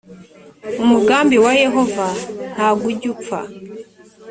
umugambi wa yehova ntago ujyupfa.